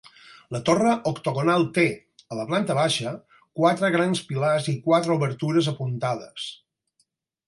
La torre octogonal té, a la planta baixa, quatre grans pilars i quatre obertures apuntades.